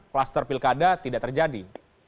plaster pilkada tidak terjadi